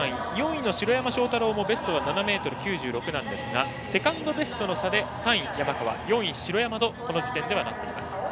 ４位の城山正太郎もベストは７ｍ９６なんですがセカンドベストの差で３位、山川４位、城山とこの時点ではなっています。